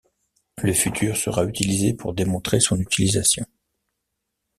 Le futur sera utilisé pour démontrer son utilisation.